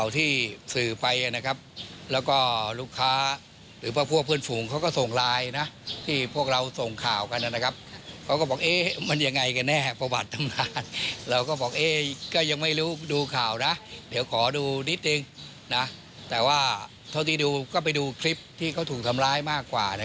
แต่ก็ตอนนี้ก็ไปดูคลิปที่เขาถูกทำร้ายมากกว่า